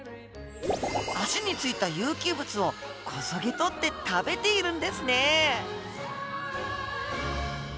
脚に付いた有機物をこそげ取って食べているんですね。